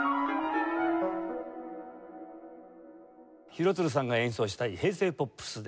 廣津留さんが演奏したい平成ポップスです。